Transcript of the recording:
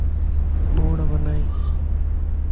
ٻوڙ بنائي